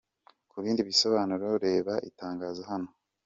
Ku bindi bisobanuro reba itangazo hano:.